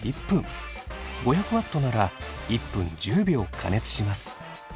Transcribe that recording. ５００Ｗなら１分１０秒加熱します。